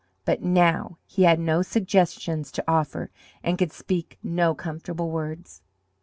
But now he had no suggestions to offer and could speak no comfortable words.